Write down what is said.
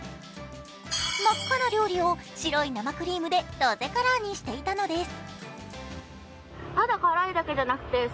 真っ赤な料理を白い生クリームでロゼカラーにしていたのです。